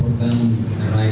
anda perlu mengetik lebih serius